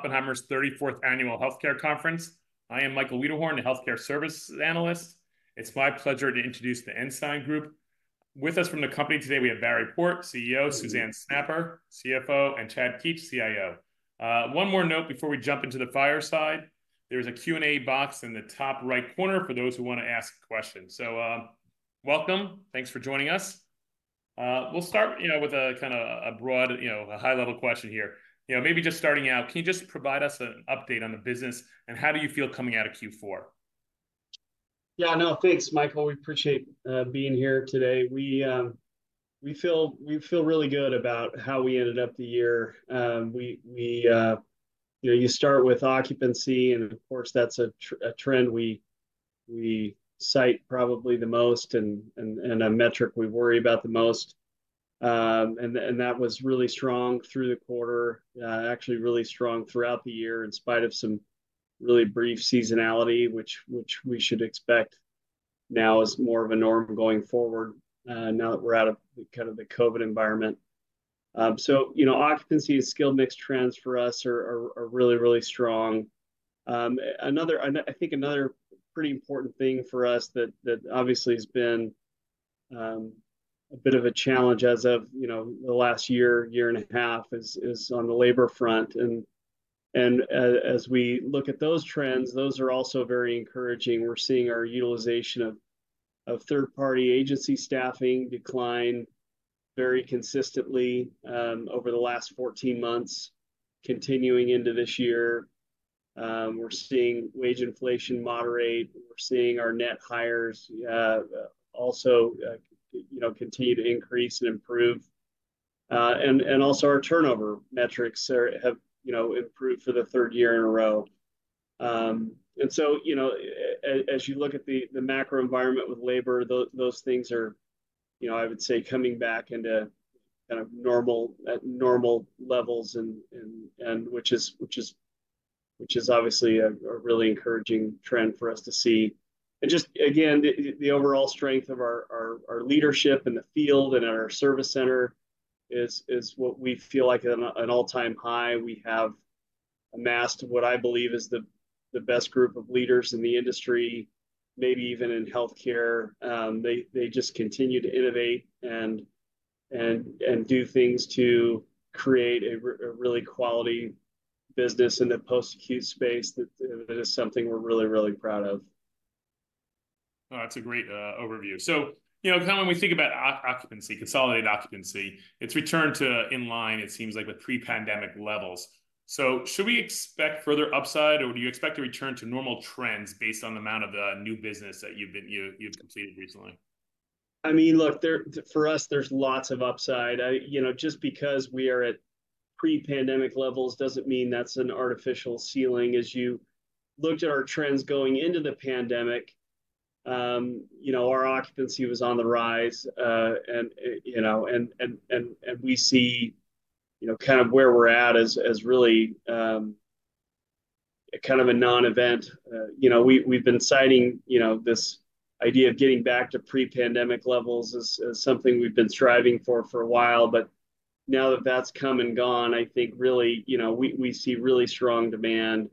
Oppenheimer's 34th annual healthcare conference. I am Michael Wiederhorn, a healthcare service analyst. It's my pleasure to introduce the Ensign Group. With us from the company today we have Barry Port, CEO; Suzanne Snapper, CFO; and Chad Keetch, CIO. One more note before we jump into the fireside: there's a Q&A box in the top right corner for those who want to ask questions. So, welcome, thanks for joining us. We'll start, you know, with a kind of a broad, you know, a high-level question here. You know, maybe just starting out, can you just provide us an update on the business and how do you feel coming out of Q4? Yeah, no, thanks, Michael. We appreciate being here today. We feel really good about how we ended up the year. We, you know, you start with occupancy, and of course that's a trend we cite probably the most and a metric we worry about the most. And that was really strong through the quarter, actually really strong throughout the year in spite of some really brief seasonality, which we should expect now is more of a norm going forward, now that we're out of the kind of the COVID environment. So, you know, occupancy and skilled mix trends for us are really, really strong. Another, I think, another pretty important thing for us that obviously has been a bit of a challenge as of, you know, the last year and a half is on the labor front. And as we look at those trends, those are also very encouraging. We're seeing our utilization of third-party agency staffing decline very consistently over the last 14 months, continuing into this year. We're seeing wage inflation moderate. We're seeing our net hires also, you know, continue to increase and improve. And also our turnover metrics have, you know, improved for the third year in a row. And so, you know, as you look at the macro environment with labor, those things are, you know, I would say coming back into kind of normal at normal levels, which is obviously a really encouraging trend for us to see. And just again, the overall strength of our leadership in the field and at our service center is what we feel like an all-time high. We have amassed what I believe is the best group of leaders in the industry, maybe even in healthcare. They just continue to innovate and do things to create a really quality business in the post-acute space that is something we're really, really proud of. Oh, that's a great overview. So, you know, kind of when we think about occupancy, consolidated occupancy, it's returned to in line, it seems like, with pre-pandemic levels. So should we expect further upside, or do you expect to return to normal trends based on the amount of the new business that you've completed recently? I mean, look, there for us, there's lots of upside. I, you know, just because we are at pre-pandemic levels doesn't mean that's an artificial ceiling. As you looked at our trends going into the pandemic, you know, our occupancy was on the rise, and, you know, and we see, you know, kind of where we're at as really, kind of a non-event. You know, we've been citing, you know, this idea of getting back to pre-pandemic levels as something we've been striving for a while. But now that that's come and gone, I think really, you know, we see really strong demand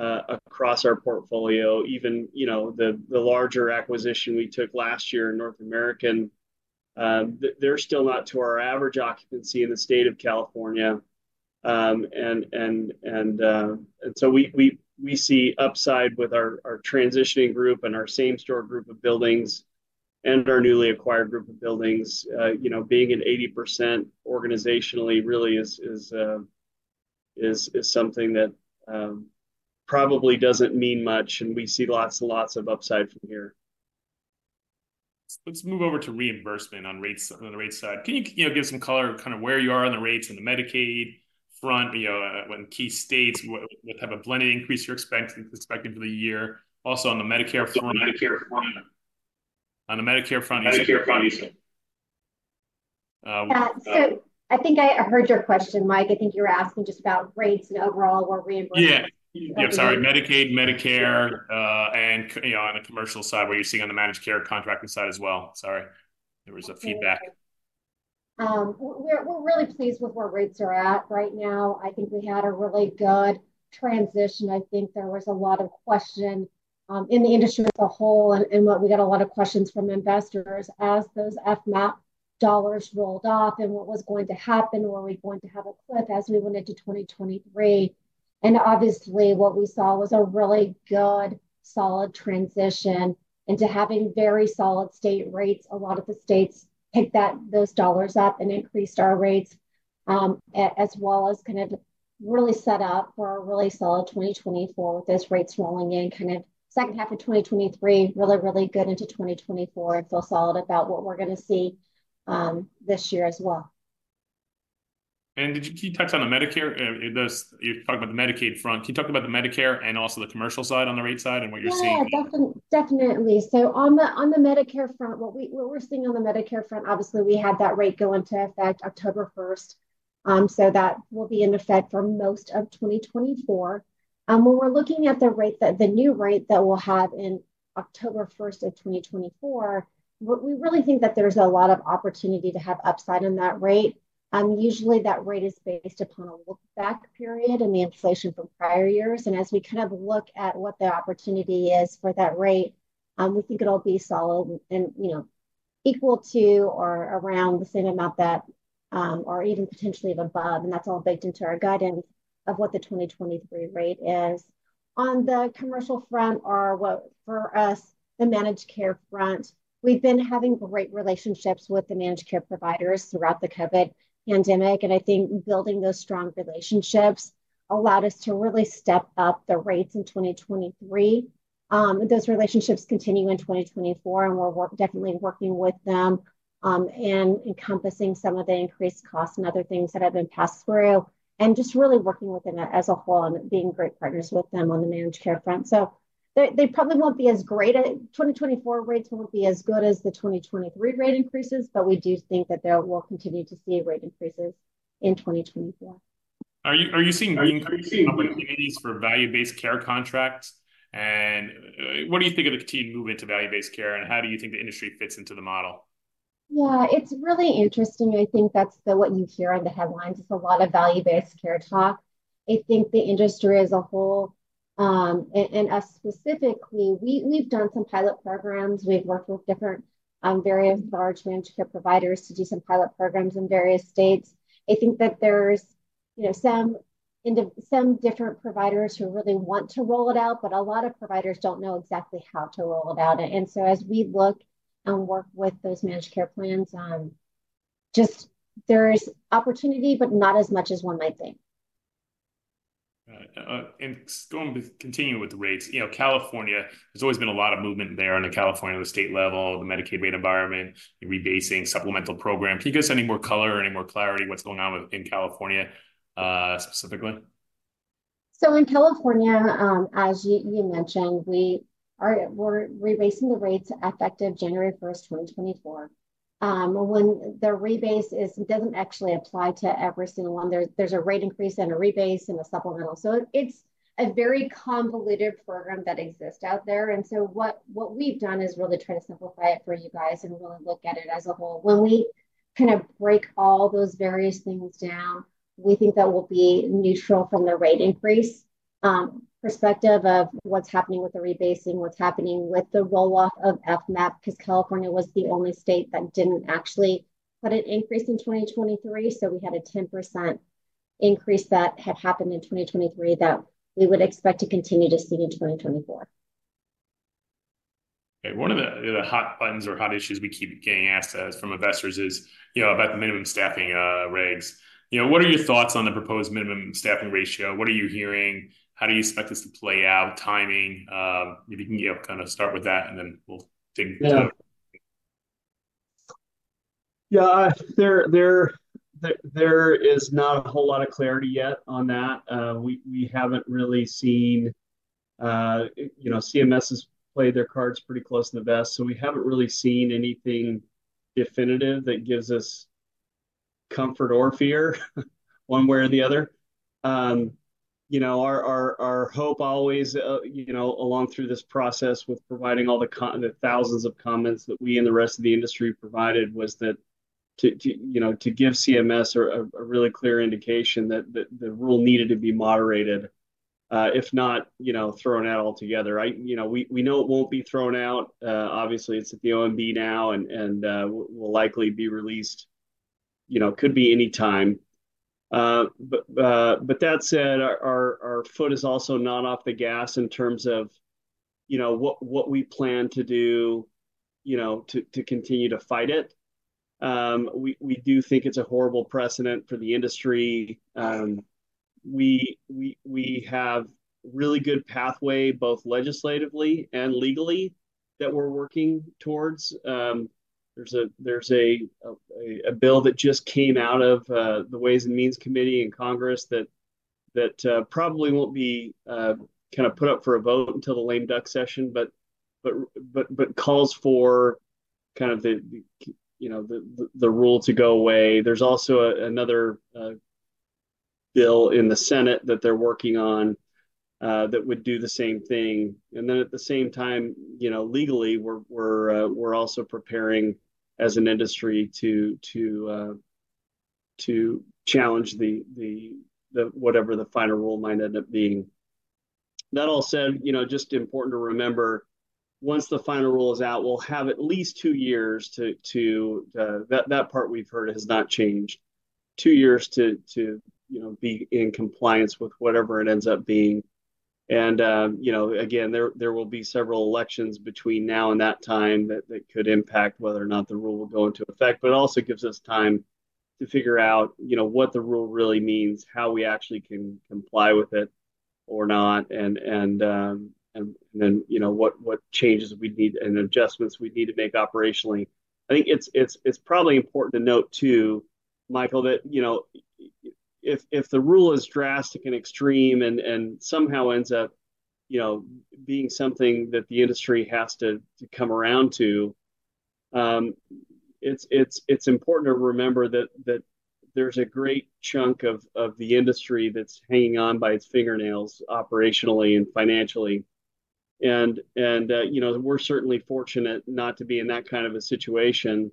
across our portfolio, even, you know, the larger acquisition we took last year in North American. They're still not to our average occupancy in the state of California. and so we see upside with our transitioning group and our same-store group of buildings and our newly acquired group of buildings, you know, being at 80% organizationally really is something that probably doesn't mean much, and we see lots and lots of upside from here. Let's move over to reimbursement on rates on the rate side. Can you, you know, give some color of kind of where you are on the rates on the Medicaid front, you know, in key states, what type of blended increase you're expecting for the year, also on the Medicare front? Medicare front. On the Medicare front, you said. Medicare front, you said. I think I heard your question, Mike. I think you were asking just about rates and overall where reimbursement. Yeah. Yeah, sorry. Medicaid, Medicare, and, you know, on the commercial side where you're seeing on the managed care contracting side as well. Sorry. There was a feedback. We're really pleased with where rates are at right now. I think we had a really good transition. I think there was a lot of questions in the industry as a whole and we got a lot of questions from investors as those FMAP dollars rolled off and what was going to happen, were we going to have a cliff as we went into 2023. Obviously what we saw was a really good solid transition into having very solid state rates. A lot of the states picked up those dollars and increased our rates, as well as kind of really set up for a really solid 2024 with those rates rolling in kind of second half of 2023, really really good into 2024 and feel solid about what we're going to see this year as well. Can you touch on the Medicare? It does. You're talking about the Medicaid front. Can you talk about the Medicare and also the commercial side on the rate side and what you're seeing? Yeah, definitely. So on the Medicare front, what we're seeing on the Medicare front, obviously we had that rate go into effect October 1st. So that will be in effect for most of 2024. When we're looking at the new rate that we'll have in October 1st of 2024, we really think that there's a lot of opportunity to have upside on that rate. Usually that rate is based upon a look-back period and the inflation from prior years. And as we kind of look at what the opportunity is for that rate, we think it'll be solid and, you know, equal to or around the same amount that, or even potentially above. And that's all baked into our guidance of what the 2023 rate is. On the commercial front or what for us, the managed care front, we've been having great relationships with the managed care providers throughout the COVID pandemic. I think building those strong relationships allowed us to really step up the rates in 2023. Those relationships continue in 2024, and we're definitely working with them, and encompassing some of the increased costs and other things that have been passed through and just really working with them as a whole and being great partners with them on the managed care front. So they probably won't be as great; 2024 rates won't be as good as the 2023 rate increases, but we do think that there will continue to see rate increases in 2024. Are you seeing opportunities for value-based care contracts? What do you think of the continued move into value-based care, and how do you think the industry fits into the model? Yeah, it's really interesting. I think that's what you hear on the headlines. It's a lot of value-based care talk. I think the industry as a whole, and us specifically, we've done some pilot programs. We've worked with different, various large managed care providers to do some pilot programs in various states. I think that there's, you know, some different providers who really want to roll it out, but a lot of providers don't know exactly how to roll it out. And so as we look and work with those managed care plans, just there's opportunity but not as much as one might think. Got it. And going to continue with the rates, you know, California there's always been a lot of movement there on the California at the state level, the Medicaid rate environment, rebasing, supplemental program. Can you give us any more color or any more clarity what's going on with in California, specifically? So in California, as you mentioned, we are rebasing the rates effective January 1st, 2024. When the rebase is, it doesn't actually apply to every single one. There's a rate increase and a rebase and a supplemental. So it's a very convoluted program that exists out there. And so what we've done is really try to simplify it for you guys and really look at it as a whole. When we kind of break all those various things down, we think that will be neutral from the rate increase perspective of what's happening with the rebasing, what's happening with the roll-off of FMAP because California was the only state that didn't actually put an increase in 2023. So we had a 10% increase that had happened in 2023 that we would expect to continue to see in 2024. Okay. One of the hot buttons or hot issues we keep getting asked from investors is, you know, about the minimum staffing regs. You know, what are your thoughts on the proposed minimum staffing ratio? What are you hearing? How do you expect this to play out? Timing, if you can, you know, kind of start with that, and then we'll dig into it. Yeah. Yeah, there is not a whole lot of clarity yet on that. We haven't really seen, you know, CMS has played their cards pretty close to the vest, so we haven't really seen anything definitive that gives us comfort or fear one way or the other. You know, our hope always, you know, along through this process with providing all the thousands of comments that we and the rest of the industry provided was that to, you know, to give CMS a really clear indication that the rule needed to be moderated, if not, you know, thrown out altogether. I, you know, we know it won't be thrown out. Obviously, it's at the OMB now and, will likely be released, you know, could be anytime. But that said, our foot is also not off the gas in terms of, you know, what we plan to do, you know, to continue to fight it. We do think it's a horrible precedent for the industry. We have really good pathway both legislatively and legally that we're working towards. There's a bill that just came out of the Ways and Means Committee in Congress that probably won't be kind of put up for a vote until the lame duck session, but calls for kind of the, you know, the rule to go away. There's also another bill in the Senate that they're working on, that would do the same thing. And then at the same time, you know, legally, we're also preparing as an industry to challenge the whatever the final rule might end up being. That all said, you know, just important to remember, once the final rule is out, we'll have at least two years to, that part we've heard has not changed, two years to, you know, be in compliance with whatever it ends up being. And, you know, again, there will be several elections between now and that time that could impact whether or not the rule will go into effect, but it also gives us time to figure out, you know, what the rule really means, how we actually can comply with it or not, and then, you know, what changes we need and adjustments we need to make operationally. I think it's probably important to note too, Michael, that, you know, if the rule is drastic and extreme and somehow ends up, you know, being something that the industry has to come around to, it's important to remember that there's a great chunk of the industry that's hanging on by its fingernails operationally and financially. And, you know, we're certainly fortunate not to be in that kind of a situation.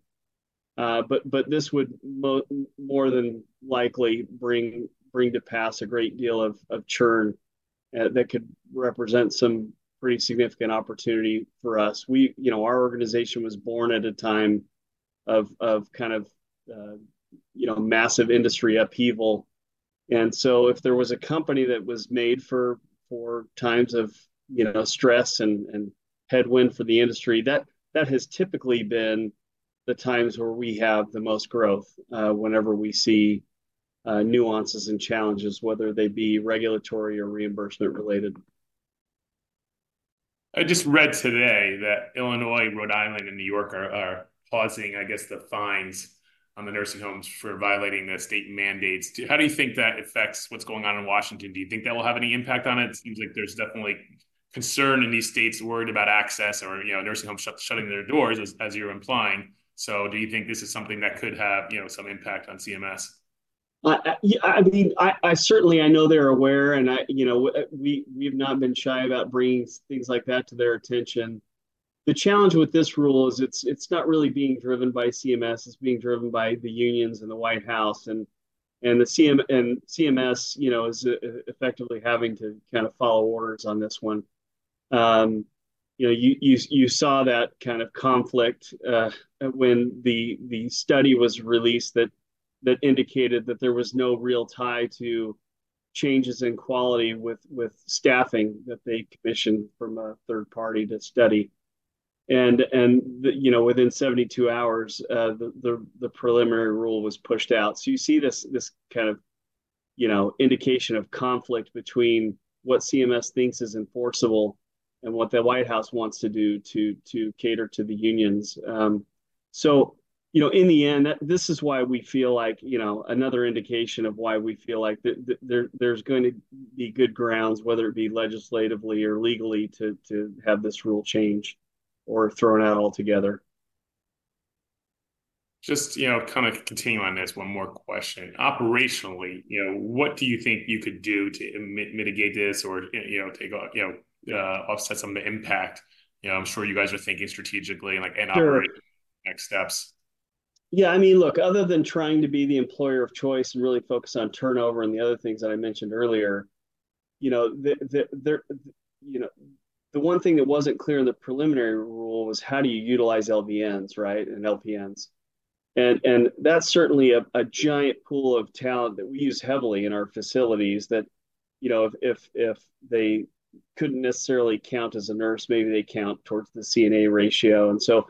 But this would more than likely bring to pass a great deal of churn that could represent some pretty significant opportunity for us. We, you know, our organization was born at a time of kind of, you know, massive industry upheaval. And so if there was a company that was made for times of, you know, stress and headwind for the industry, that has typically been the times where we have the most growth, whenever we see nuances and challenges, whether they be regulatory or reimbursement related. I just read today that Illinois, Rhode Island, and New York are pausing, I guess, the fines on the nursing homes for violating the state mandates. How do you think that affects what's going on in Washington? Do you think that will have any impact on it? It seems like there's definitely concern in these states worried about access or, you know, nursing homes shutting their doors as you're implying. So do you think this is something that could have, you know, some impact on CMS? I mean, I certainly know they're aware, and I, you know, we've not been shy about bringing things like that to their attention. The challenge with this rule is it's not really being driven by CMS. It's being driven by the unions and the White House. And the CMS, you know, is effectively having to kind of follow orders on this one. You know, you saw that kind of conflict, when the study was released that indicated that there was no real tie to changes in quality with staffing that they commissioned from a third party to study. And the, you know, within 72 hours, the preliminary rule was pushed out. So you see this kind of, you know, indication of conflict between what CMS thinks is enforceable and what the White House wants to do to cater to the unions. So, you know, in the end, this is why we feel like, you know, another indication of why we feel like that there's going to be good grounds, whether it be legislatively or legally, to have this rule changed or thrown out altogether. Just, you know, kind of continuing on this, one more question. Operationally, you know, what do you think you could do to mitigate this or, you know, take off, you know, offset some of the impact? You know, I'm sure you guys are thinking strategically and, like, and operating next steps. Sure. Yeah, I mean, look, other than trying to be the employer of choice and really focus on turnover and the other things that I mentioned earlier, you know, there, you know, the one thing that wasn't clear in the preliminary rule was how do you utilize LVNs, right, and LPNs. And that's certainly a giant pool of talent that we use heavily in our facilities that, you know, if they couldn't necessarily count as a nurse, maybe they count towards the CNA ratio. And so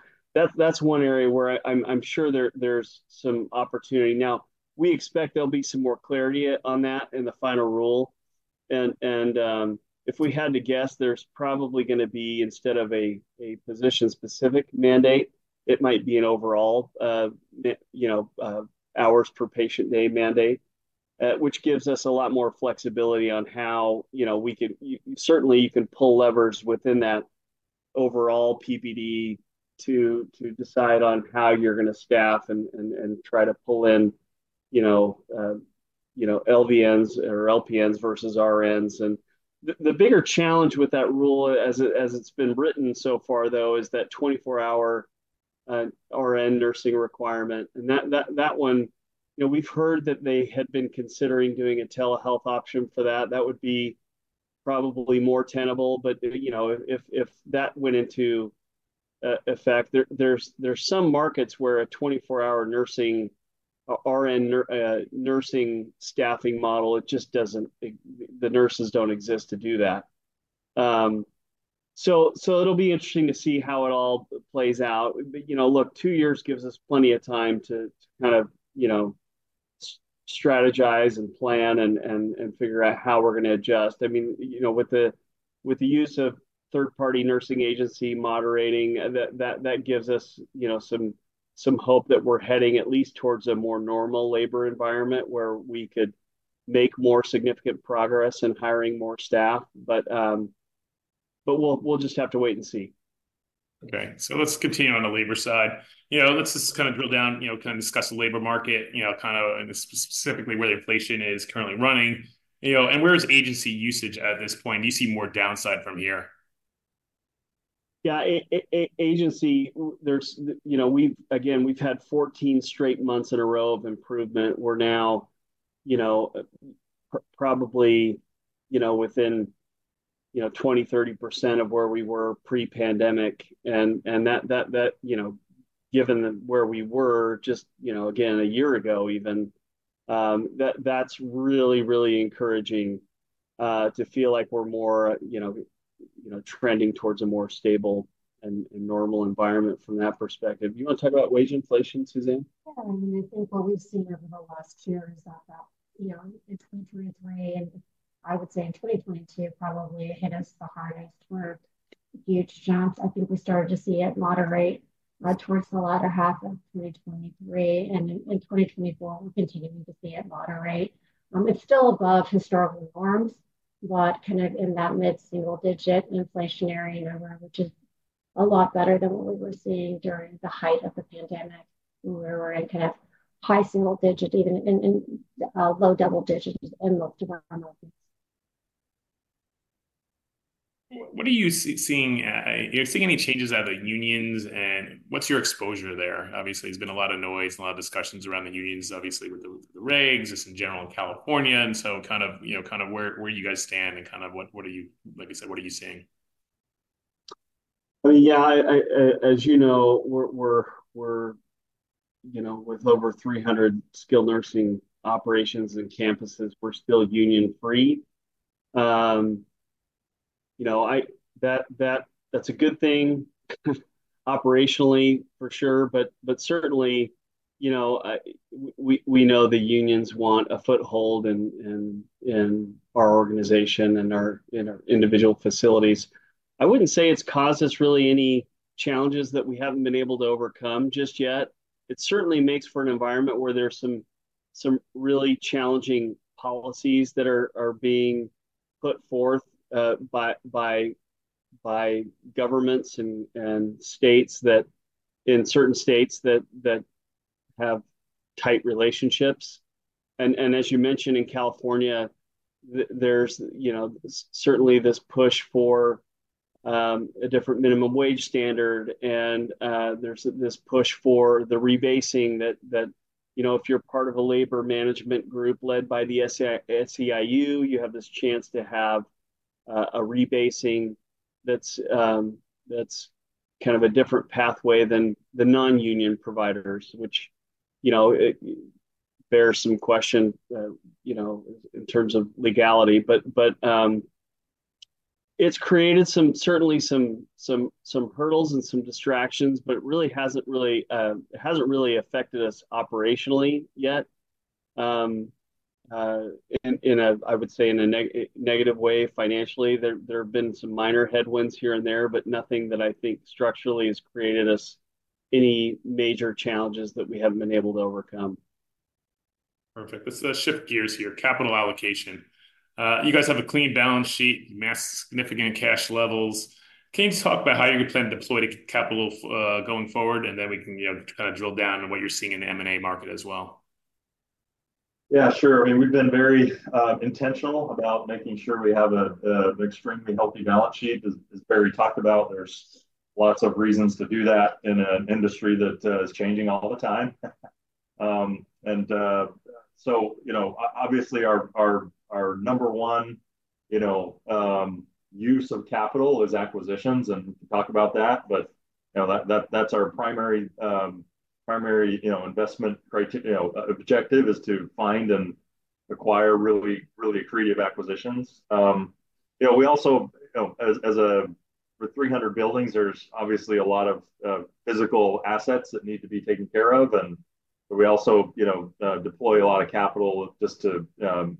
that's one area where I'm sure there's some opportunity. Now, we expect there'll be some more clarity on that in the final rule. And, if we had to guess, there's probably going to be, instead of a position-specific mandate, it might be an overall, you know, hours per patient day mandate, which gives us a lot more flexibility on how, you know, we could certainly you can pull levers within that overall PPD to decide on how you're going to staff and try to pull in, you know, LVNs or LPNs versus RNs. And the bigger challenge with that rule, as it's been written so far, though, is that 24-hour RN nursing requirement. And that one, you know, we've heard that they had been considering doing a telehealth option for that. That would be probably more tenable. But, you know, if that went into effect, there's some markets where a 24-hour nursing RN nursing staffing model, it just doesn't. The nurses don't exist to do that. So it'll be interesting to see how it all plays out. But, you know, look, two years gives us plenty of time to kind of, you know, strategize and plan and figure out how we're going to adjust. I mean, you know, with the use of third-party nursing agency moderating, that gives us, you know, some hope that we're heading at least towards a more normal labor environment where we could make more significant progress in hiring more staff. But we'll just have to wait and see. Okay. So let's continue on the labor side. You know, let's just kind of drill down, you know, kind of discuss the labor market, you know, kind of specifically where the inflation is currently running. You know, and where's agency usage at this point? Do you see more downside from here? Yeah, agency, there's, you know, we've had 14 straight months in a row of improvement. We're now, you know, probably, you know, within, you know, 20%-30% of where we were pre-pandemic. And that, you know, given where we were just, you know, again, a year ago even, that's really, really encouraging, to feel like we're more, you know, you know, trending towards a more stable and normal environment from that perspective. You want to talk about wage inflation, Suzanne? Yeah. I mean, I think what we've seen over the last year is that, you know, in 2023, and I would say in 2022, probably hit us the hardest with huge jumps. I think we started to see it moderate, towards the latter half of 2023. And in 2024, we're continuing to see it moderate. It's still above historical norms, but kind of in that mid-single-digit inflationary number, which is a lot better than what we were seeing during the height of the pandemic when we were in kind of high single-digit, even in low double-digits in most of our markets. What are you seeing? Are you seeing any changes at the unions, and what's your exposure there? Obviously, there's been a lot of noise and a lot of discussions around the unions, obviously, with the regs. It's in general in California. And so kind of, you know, kind of where you guys stand and kind of what are you, like I said, what are you seeing? I mean, yeah, I as you know, we're with over 300 skilled nursing operations and campuses, we're still union-free. You know, that that's a good thing operationally, for sure. But certainly, you know, we know the unions want a foothold in our organization and our individual facilities. I wouldn't say it's caused us really any challenges that we haven't been able to overcome just yet. It certainly makes for an environment where there's some really challenging policies that are being put forth, by governments and states that in certain states that have tight relationships. And as you mentioned, in California, there's, you know, certainly this push for a different minimum wage standard. There's this push for the rebasing that, you know, if you're part of a labor management group led by the SEIU, you have this chance to have a rebasing that's kind of a different pathway than the non-union providers, which, you know, bears some question, you know, in terms of legality. But it's created some certainly some hurdles and some distractions, but it really hasn't affected us operationally yet in a negative way financially. There have been some minor headwinds here and there, but nothing that I think structurally has created us any major challenges that we haven't been able to overcome. Perfect. Let's shift gears here. Capital allocation. You guys have a clean balance sheet, amass significant cash levels. Can you talk about how you're going to plan to deploy the capital, going forward? And then we can, you know, kind of drill down on what you're seeing in the M&A market as well. Yeah, sure. I mean, we've been very intentional about making sure we have a extremely healthy balance sheet, as Barry talked about. There's lots of reasons to do that in an industry that is changing all the time. So, you know, obviously, our number one, you know, use of capital is acquisitions, and we can talk about that. But, you know, that that's our primary, primary, you know, investment criteria, you know, objective is to find and acquire really really accretive acquisitions. You know, we also, you know, as a for 300 buildings, there's obviously a lot of physical assets that need to be taken care of. But we also, you know, deploy a lot of capital just to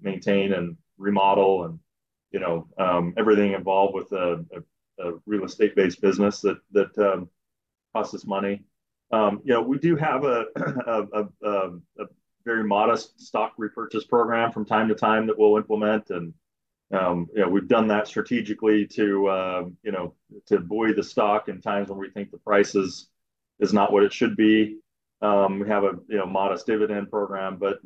maintain and remodel and, you know, everything involved with a real estate-based business that costs us money. You know, we do have a very modest stock repurchase program from time to time that we'll implement. And, you know, we've done that strategically to, you know, to buoy the stock in times when we think the price is not what it should be. We have a, you know, modest dividend program. But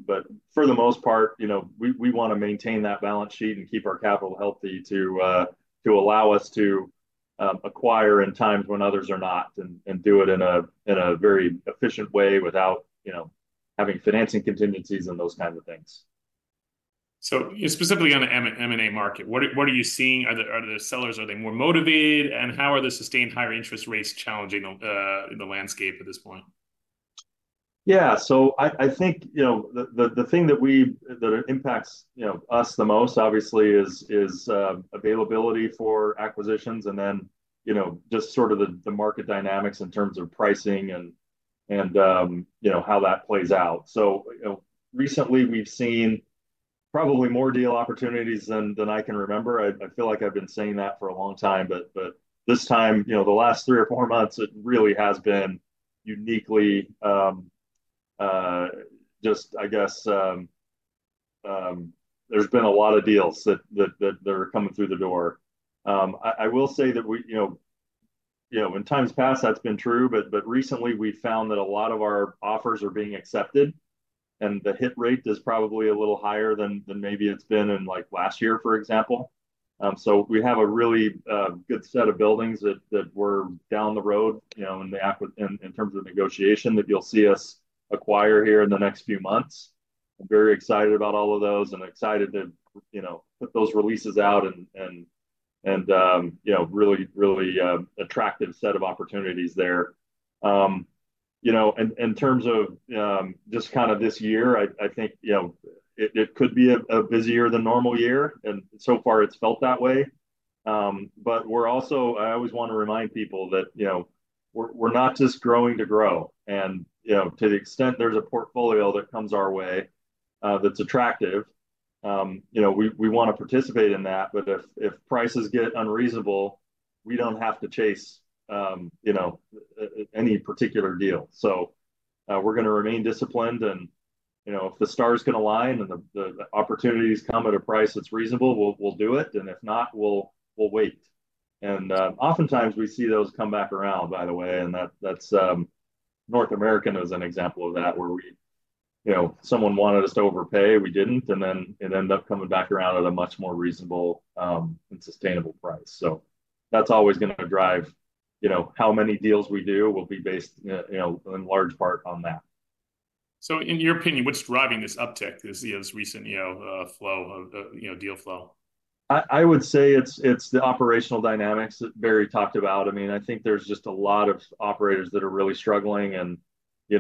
for the most part, you know, we want to maintain that balance sheet and keep our capital healthy to, to allow us to acquire in times when others are not and do it in a very efficient way without, you know, having financing contingencies and those kinds of things. So you're specifically on the M&A market. What are you seeing? Are the sellers more motivated? And how are the sustained higher interest rates challenging the landscape at this point? Yeah. So I think, you know, the thing that impacts, you know, us the most, obviously, is availability for acquisitions and then, you know, just sort of the market dynamics in terms of pricing and, you know, how that plays out. So, you know, recently, we've seen probably more deal opportunities than I can remember. I feel like I've been saying that for a long time. But this time, you know, the last three or four months, it really has been uniquely, just, I guess, there's been a lot of deals that they're coming through the door. I will say that we, you know, in times past, that's been true. But recently, we found that a lot of our offers are being accepted. And the hit rate is probably a little higher than maybe it's been in, like, last year, for example. So we have a really good set of buildings that were down the road, you know, in terms of negotiation that you'll see us acquire here in the next few months. I'm very excited about all of those and excited to, you know, put those releases out and, you know, really attractive set of opportunities there. You know, and in terms of, just kind of this year, I think, you know, it could be a busier than normal year. And so far, it's felt that way. But we're also – I always want to remind people that, you know, we're not just growing to grow. You know, to the extent there's a portfolio that comes our way, that's attractive, you know, we want to participate in that. But if prices get unreasonable, we don't have to chase, you know, any particular deal. So, we're going to remain disciplined. You know, if the star's going to line and the opportunities come at a price that's reasonable, we'll do it. If not, we'll wait. Oftentimes, we see those come back around, by the way. That's North American, an example of that where we, you know, someone wanted us to overpay. We didn't. Then it ended up coming back around at a much more reasonable and sustainable price. So that's always going to drive, you know, how many deals we do will be based, you know, in large part on that. So in your opinion, what's driving this uptick, this recent, you know, flow of, you know, deal flow? I would say it's the operational dynamics that Barry talked about. I mean, I think there's just a lot of operators that are really struggling. You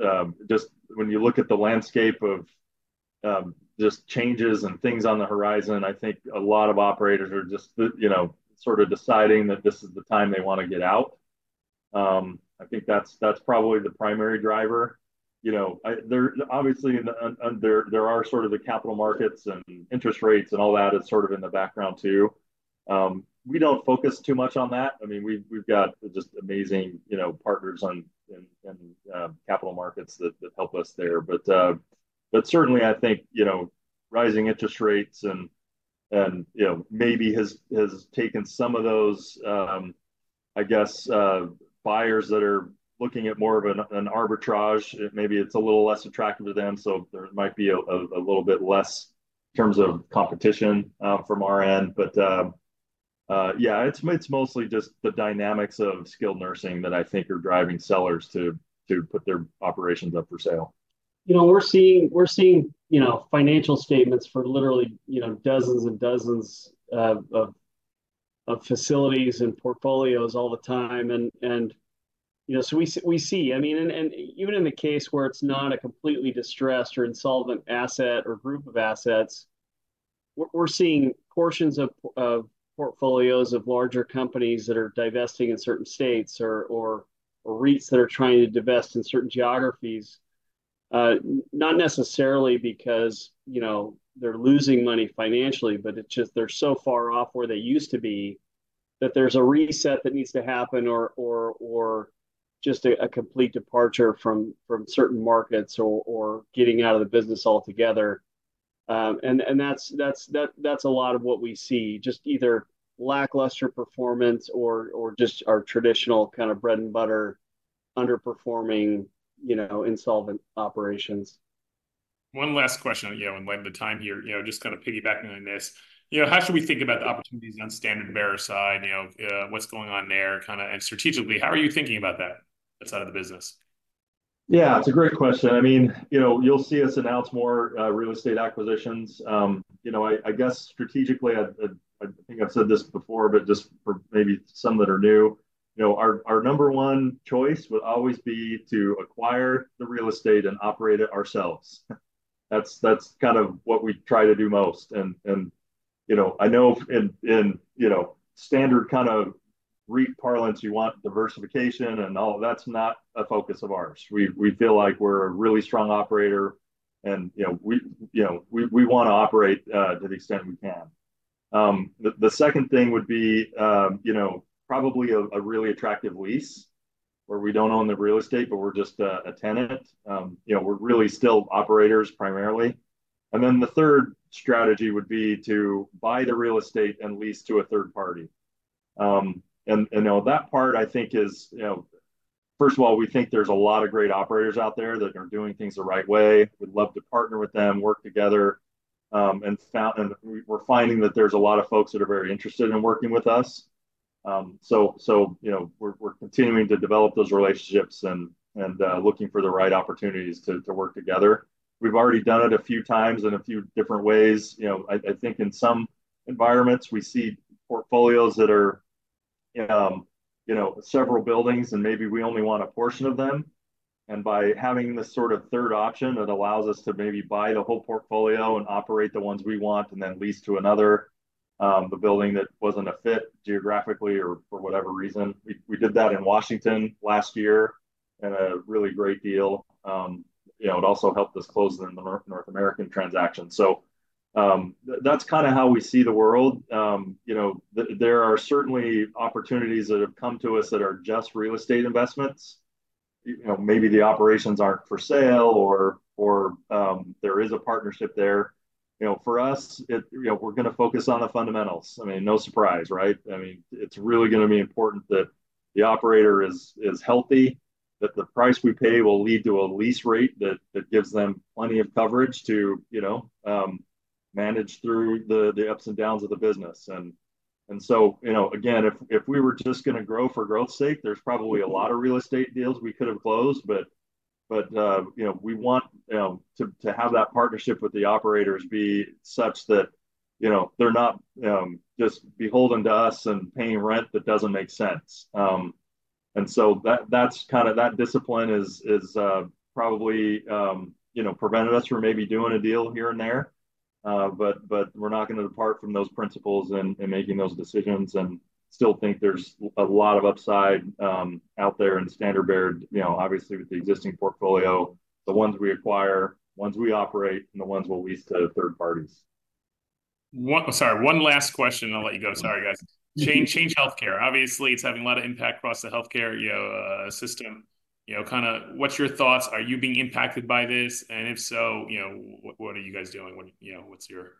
know, just when you look at the landscape of just changes and things on the horizon, I think a lot of operators are just, you know, sort of deciding that this is the time they want to get out. I think that's probably the primary driver. You know, there obviously are sort of the capital markets and interest rates and all that in the background too. We don't focus too much on that. I mean, we've got just amazing, you know, partners in capital markets that help us there. But certainly, I think, you know, rising interest rates and, you know, maybe has taken some of those, I guess, buyers that are looking at more of an arbitrage, maybe it's a little less attractive to them. So there might be a little bit less in terms of competition, from our end. But, yeah, it's mostly just the dynamics of skilled nursing that I think are driving sellers to put their operations up for sale. You know, we're seeing, you know, financial statements for literally, you know, dozens and dozens of facilities and portfolios all the time. And, you know, so we see. I mean, and even in the case where it's not a completely distressed or insolvent asset or group of assets, we're seeing portions of portfolios of larger companies that are divesting in certain states or REITs that are trying to divest in certain geographies, not necessarily because, you know, they're losing money financially, but it's just they're so far off where they used to be that there's a reset that needs to happen or just a complete departure from certain markets or getting out of the business altogether. That's a lot of what we see, just either lackluster performance or just our traditional kind of bread and butter underperforming, you know, insolvent operations. One last question, you know, in light of the time here, you know, just kind of piggybacking on this. You know, how should we think about the opportunities on the Standard Bearer side, you know, what's going on there kind of? And strategically, how are you thinking about that outside of the business? Yeah, it's a great question. I mean, you know, you'll see us announce more real estate acquisitions. You know, I guess strategically, I think I've said this before, but just for maybe some that are new, you know, our number one choice would always be to acquire the real estate and operate it ourselves. That's kind of what we try to do most. And, you know, I know in, you know, standard kind of REIT parlance, you want diversification and all of that's not a focus of ours. We feel like we're a really strong operator. And, you know, we, you know, we want to operate to the extent we can. The second thing would be, you know, probably a really attractive lease where we don't own the real estate, but we're just a tenant. You know, we're really still operators primarily. And then the third strategy would be to buy the real estate and lease to a third party. And, you know, that part, I think, is, you know, first of all, we think there's a lot of great operators out there that are doing things the right way. We'd love to partner with them, work together. And we're finding that there's a lot of folks that are very interested in working with us. So, you know, we're continuing to develop those relationships and looking for the right opportunities to work together. We've already done it a few times in a few different ways. You know, I think in some environments, we see portfolios that are, you know, several buildings, and maybe we only want a portion of them. And by having this sort of third option, it allows us to maybe buy the whole portfolio and operate the ones we want and then lease to another the building that wasn't a fit geographically or for whatever reason. We did that in Washington last year and a really great deal. You know, it also helped us close the North American transaction. So, that's kind of how we see the world. You know, there are certainly opportunities that have come to us that are just real estate investments. You know, maybe the operations aren't for sale or there is a partnership there. You know, for us, it you know, we're going to focus on the fundamentals. I mean, no surprise, right? I mean, it's really going to be important that the operator is healthy, that the price we pay will lead to a lease rate that gives them plenty of coverage to, you know, manage through the ups and downs of the business. And so, you know, again, if we were just going to grow for growth's sake, there's probably a lot of real estate deals we could have closed. But, you know, we want, you know, to have that partnership with the operators be such that, you know, they're not just beholden to us and paying rent that doesn't make sense. And so that's kind of that discipline is, probably, you know, prevented us from maybe doing a deal here and there. but we're not going to depart from those principles in making those decisions and still think there's a lot of upside, out there in Standard Bearer, you know, obviously, with the existing portfolio, the ones we acquire, ones we operate, and the ones we'll lease to third parties. Oh, sorry, one last question. I'll let you go. Sorry, guys. Change Healthcare. Obviously, it's having a lot of impact across the healthcare, you know, system. You know, kind of what's your thoughts? Are you being impacted by this? And if so, you know, what are you guys doing? What, you know, what's your?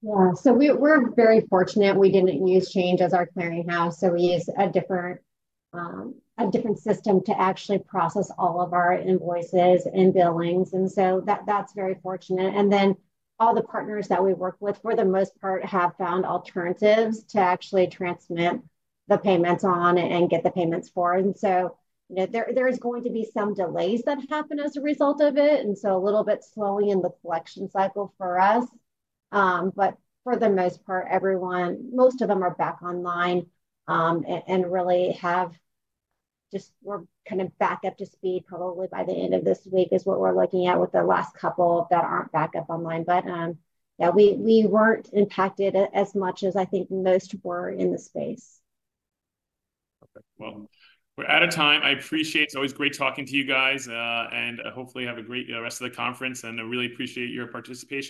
Yeah. So we're very fortunate. We didn't use Change as our clearinghouse. So we use a different system to actually process all of our invoices and billings. And so that's very fortunate. And then all the partners that we work with, for the most part, have found alternatives to actually transmit the payments on and get the payments for. And so, you know, there is going to be some delays that happen as a result of it. And so a little bit slowly in the collection cycle for us, but for the most part, everyone, most of them are back online, and really we're kind of back up to speed probably by the end of this week is what we're looking at with the last couple that aren't back up online. But, yeah, we weren't impacted as much as I think most were in the space. Okay. Well, we're out of time. I appreciate it. It's always great talking to you guys. And hopefully have a great rest of the conference. And I really appreciate your participation.